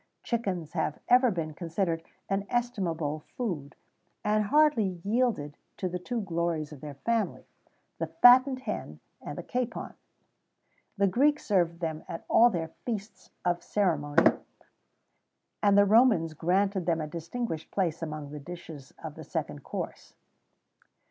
Chickens have ever been considered an estimable food, and hardly yielded to the two glories of their family the fattened hen and the capon.[XVII 31] The Greeks served them at all their feasts of ceremony, and the Romans granted them a distinguished place among the dishes of the second course.